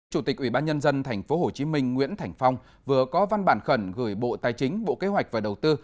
chủ tịch ủy ban nhân dân tp hcm nguyễn thành phong vừa có văn bản khẩn gửi bộ tài chính bộ kế hoạch và đầu tư